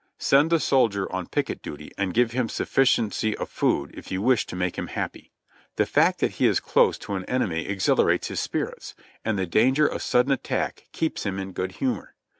Send a soldier on picket duty and give him sufficiency of food if you wish to make him happy. The fact that he is close to an enemy exhilarates his spirits, and the danger of sudden attack keeps him in good humor.